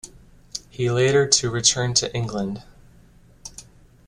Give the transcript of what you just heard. He later to return to England.